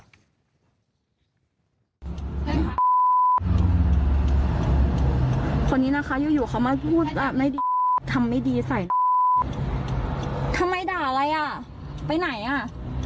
คนนี้นะคะอยู่อยู่เขามาพูดไม่ดีทำไม่ดีใส่ทำไมด่าอะไรอ่ะไปไหนอ่ะ